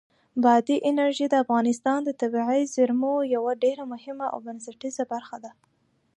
بادي انرژي د افغانستان د طبیعي زیرمو یوه ډېره مهمه او بنسټیزه برخه ده.